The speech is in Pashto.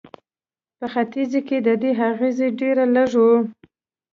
په ختیځ کې د دې اغېز ډېر لږ و.